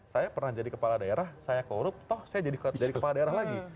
saya pernah jadi kepala daerah saya korup toh saya jadi kepala daerah lagi